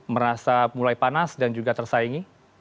merasa mulai panas dan juga tersaingi